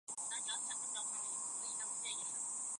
丝须深巨口鱼为辐鳍鱼纲巨口鱼目巨口鱼科的其中一种。